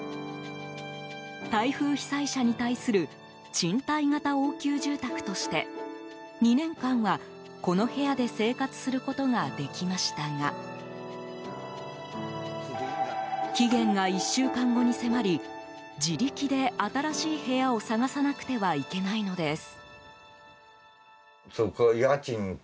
台風被災者に対する賃貸型応急住宅として２年間は、この部屋で生活することができましたが期限が１週間後に迫り自力で新しい部屋を探さなくてはいけないのです。